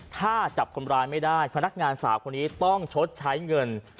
ถ้าจับคนร้ายไม่ได้พนักงานสาวคนนี้ต้องชดใช้เงิน